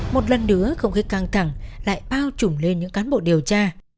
một lần nữa không khí căng thẳng lại bao trùm lên những cán bộ điều tra